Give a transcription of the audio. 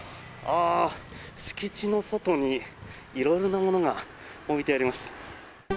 敷地の外に色々なものが置いてあります。